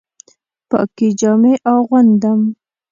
پاکې جامې اغوندم